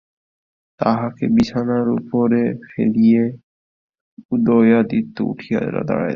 তাহাকে বিছানার উপরে ফেলিয়া উদয়াদিত্য উঠিয়া দাঁড়াইলেন।